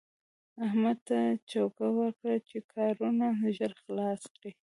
احمد ته چوکه ورکړه چې کارونه ژر خلاص کړي.